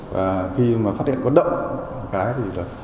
và khi mà phát hiện có đậu